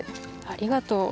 ありがとう。